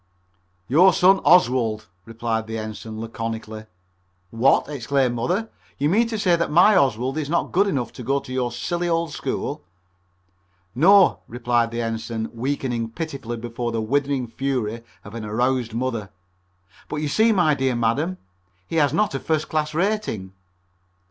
"Your son Oswald," replied the Ensign laconically. "What!" exclaimed Mother, "you mean to say that my Oswald is not good enough to go to your silly old school?" "No," replied the Ensign, weakening pitifully before the withering fury of an aroused mother, "but you see, my dear madam, he has not a first class rating."